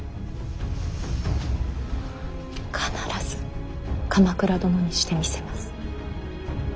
必ず鎌倉殿にしてみせます。